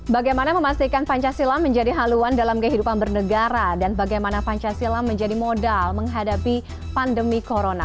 bagaimana memastikan pancasila menjadi haluan dalam kehidupan bernegara dan bagaimana pancasila menjadi modal menghadapi pandemi corona